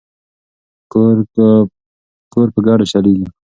کور په ګډه چلیږي.